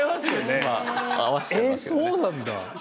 えっそうなんだ。